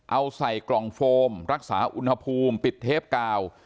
เอาใส่กล่องโฟมรักษาอุณหภูมิปิดเทปกาว